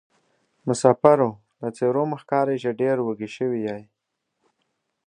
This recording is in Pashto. مسافرو له څېرومو ښکاري چې ډېروږي سوي یې.